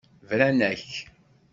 Bran-ak.